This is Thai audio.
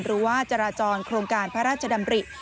หรือว่าจราจรโครงการพระราชดำริ